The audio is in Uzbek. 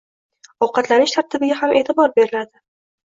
Ovqatlanish tartibiga ham e’tibor beriladi.